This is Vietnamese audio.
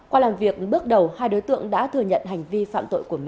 qua làm việc bước đầu hai đối tượng đã thừa nhận hành vi phạm tội của mình